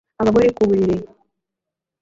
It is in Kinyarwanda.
abagore ku buriri